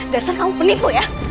dasar kamu penipu ya